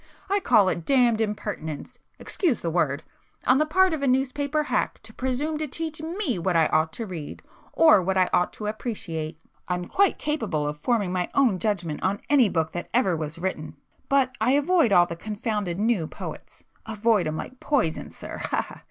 I call it damned impertinence—excuse the word—on the part of a newspaper hack to presume to teach me what I ought to read, or what I ought to appreciate. I'm quite capable of forming my own judgment on any book that ever was written. But I avoid all the confounded 'new' poets,—avoid 'em like poison, sir—ha—ha!